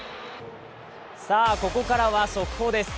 ここからは速報です。